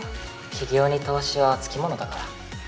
起業に投資は付きものだから。